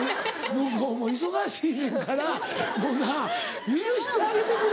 向こうも忙しいねんからもうな許してあげてくれ。